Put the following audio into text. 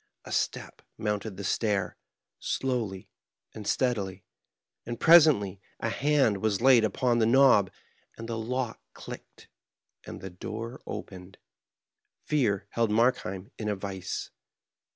A step mounted the stair slowly and steadily, and presently a hand was laid upon the knob, and the lock clicked, and the door opened. Fear held Markheim in a vise.